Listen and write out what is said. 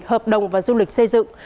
hợp đồng và du lịch xây dựng